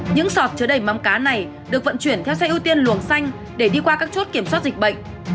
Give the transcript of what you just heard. những sọt chứa đầy mắm cá này được vận chuyển theo xe ưu tiên luồng xanh để đi qua các chốt kiểm soát dịch bệnh